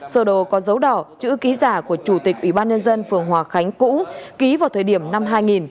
sở đồ có dấu đỏ chữ ký giả của chủ tịch ủy ban nhân dân phường hòa khánh cũ ký vào thời điểm năm hai nghìn